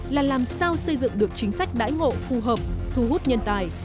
là làm sao xây dựng được chính sách đãi ngộ phù hợp thu hút nhân tài